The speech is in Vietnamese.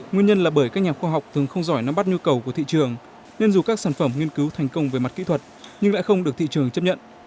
nguyên nhân là bởi các nhà khoa học thường không giỏi nắm bắt nhu cầu của thị trường nên dù các sản phẩm nghiên cứu thành công về mặt kỹ thuật nhưng lại không được thị trường chấp nhận